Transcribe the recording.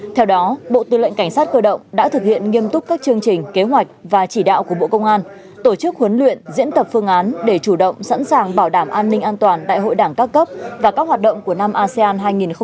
theo đó bộ tư lệnh cảnh sát cơ động đã thực hiện nghiêm túc các chương trình kế hoạch và chỉ đạo của bộ công an tổ chức huấn luyện diễn tập phương án để chủ động sẵn sàng bảo đảm an ninh an toàn đại hội đảng các cấp và các hoạt động của năm asean hai nghìn hai mươi